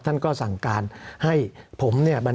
สำหรับกำลังการผลิตหน้ากากอนามัย